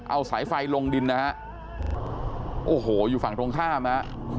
เอาสายไฟลงดินนะฮะโอ้โหอยู่ฝั่งตรงข้ามฮะ